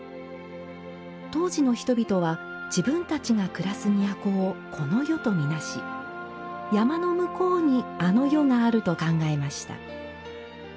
当時の人々は自分たちが暮らす都をこの世とみなし、山の向こうにあの世があると考えました。